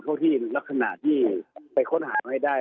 พวกที่ลักษณะที่ไปค้นหาให้ได้